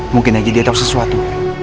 mungkin aja dia tahu sesuatu